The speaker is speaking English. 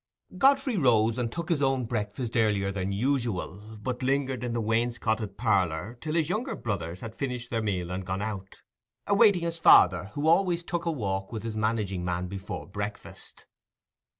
Godfrey rose and took his own breakfast earlier than usual, but lingered in the wainscoted parlour till his younger brothers had finished their meal and gone out; awaiting his father, who always took a walk with his managing man before breakfast.